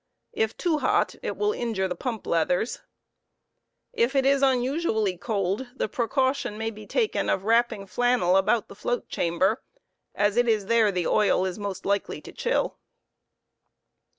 If too hot it will injure the pump leathers. If it is unusually cold the precaution may be taken of wrapping flannel about the float chamber, as it is there the oil is most likely to chill.